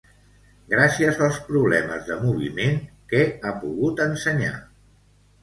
Gràcies als problemes de moviment, què ha pogut ensenyar?